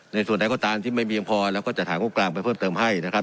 ในส่วนใดก็ตามที่ไม่มีเงินพอแล้วก็จะถ่ายงบกลางไปเพิ่มเติมให้นะครับ